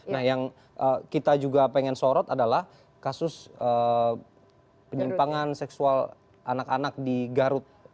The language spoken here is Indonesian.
nah yang kita juga pengen sorot adalah kasus penyimpangan seksual anak anak di garut